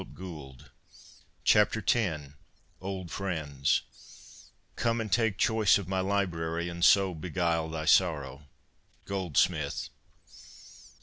X OLD FRIENDS X OLD FRIENDS Come, and take choice of my library, And so beguile thy sorrow. Goldsmith.